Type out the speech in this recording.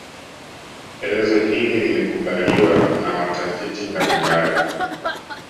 Elezo hili limekubaliwa na watafiti mbalimbali